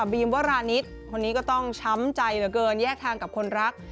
บิร์มรานิตต้องช้ำใจเหลือเกินแยกทางกับคนรัก